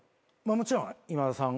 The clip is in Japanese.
もちろん今田さん。